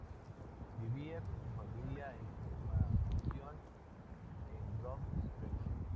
Vivía con su familia en una mansión en Broad Street.